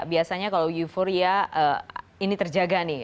biasanya kalau euforia ini terjaga nih